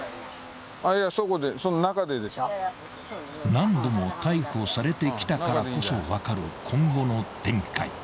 ［何度も逮捕されてきたからこそ分かる今後の展開］